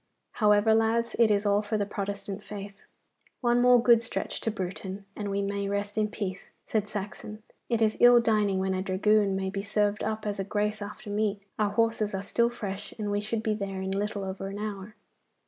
However, lads, it is all for the Protestant faith.' 'One more good stretch to Bruton, and we may rest in peace,' said Saxon. 'It is ill dining when a dragoon may be served up as a grace after meat. Our horses are still fresh, and we should be there in little over an hour.